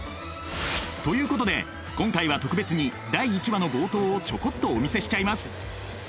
ということで今回は特別に第１話の冒頭をちょこっとお見せしちゃいます。